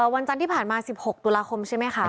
วันจันทร์ที่ผ่านมา๑๖ตุลาคมใช่ไหมคะ